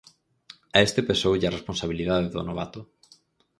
A este pesoulle a responsabilidade do novato.